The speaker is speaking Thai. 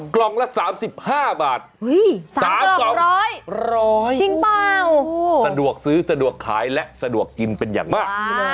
กล่องละ๓๕บาท๓กล่อง๑๐๐จริงเปล่าสะดวกซื้อสะดวกขายและสะดวกกินเป็นอย่างมาก